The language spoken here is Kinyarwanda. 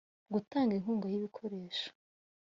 gutanga inkunga y ibikoresho